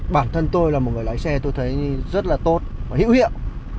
bản thân tôi là một người lái xe tôi thấy rất là tốt và hữu hiệu